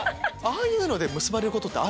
ああいうので結ばれることって。